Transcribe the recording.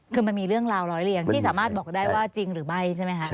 เป็นเรื่องราวร้อยเหรียงที่สามารถบอกได้ว่าจริงหรือไม่